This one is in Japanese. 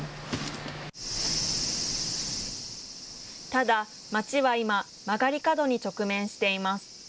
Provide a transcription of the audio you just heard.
ただ、町は今、曲がり角に直面しています。